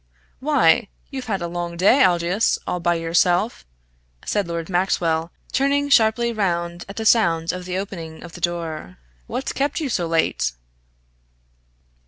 "Why, you've had a long day, Aldous, all by yourself," said Lord Maxwell, turning sharply round at the sound of the opening door. "What's kept you so late?"